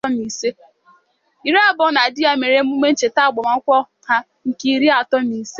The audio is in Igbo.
Irabor na di ya mere emume ncheta agbamakwụkwọ ha nke iri atọ na ise.